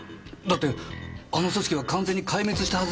だってあの組織は完全に壊滅したはずですよ。